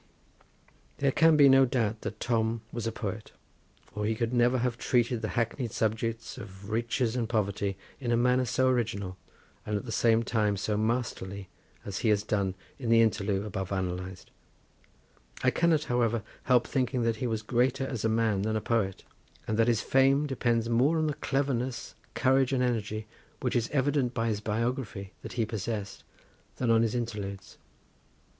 There can be no doubt that Tom was a poet, or he could never have treated the hackneyed subjects of Riches and Poverty in a manner so original, and at the same time so masterly, as he has done in the interlude above analysed; I cannot, however, help thinking that he was greater as a man than a poet, and that his fame depends more on the cleverness, courage and energy, which it is evident by his biography that he possessed, than on his interludes.